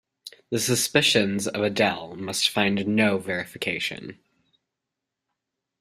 The suspicions of Adele must find no verification.